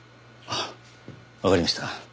あっわかりました。